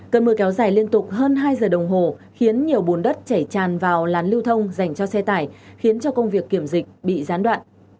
cơn mưa kéo dài liên tục hơn hai giờ đồng hồ khiến nhiều bùn đất chảy tràn vào làn lưu thông dành cho xe tải khiến cho công việc kiểm dịch bị gián đoạn